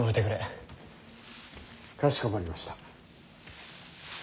かしこまりました。